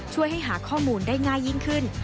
ช่วยให้หาข้อมูลได้ง่ายยิ่งขึ้น